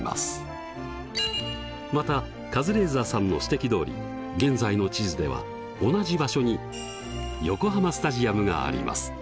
またカズレーザーさんの指摘どおり現在の地図では同じ場所に横浜スタジアムがあります。